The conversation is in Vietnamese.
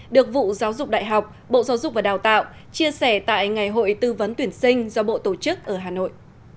được vụ giáo dục đại học bộ giáo dục và đào tạo chia sẻ tại ngày hội tư vấn tuyển sinh do bộ tổ chức ở hà nội